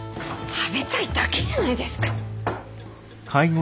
食べたいだけじゃないですか。